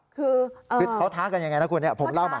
คือเขาท้ากันยังไงนะคุณเนี่ยผมเล่ามา